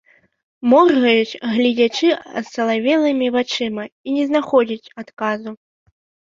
Моргаюць, гледзячы асалавелымі вачыма, і не знаходзяць адказу.